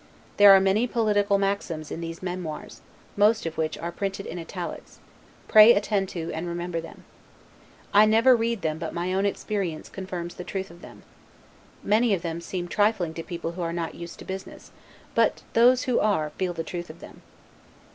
There are many political maxims in these memoirs, most of which are printed in italics; pray attend to, and remember them. I never read them but my own experience confirms the truth of them. Many of them seem trifling to people who are not used to business; but those who are, feel the truth of them.